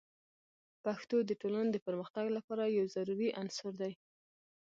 پښتو د ټولنې د پرمختګ لپاره یو ضروري عنصر دی.